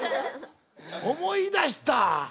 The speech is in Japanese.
思い出した。